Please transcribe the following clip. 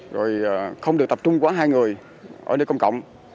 rồi không được tập trung quá hai người ở nơi công cộng